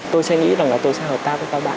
tôi sẽ nghĩ rằng là tôi sẽ hợp tác với các bạn